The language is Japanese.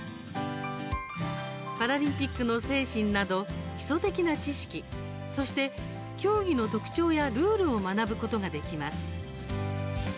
パラリンピックの精神など基礎的な知識そして競技の特徴やルールを学ぶことができます。